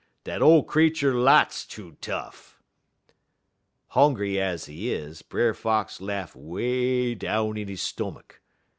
Dat ole creetur lots too tough.' "Hongry ez he is, Brer Fox laugh way down in he stomach.